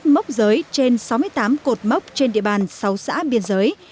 mốc giới trên sáu mươi tám cột mốc trên địa bàn sáu xã biên giới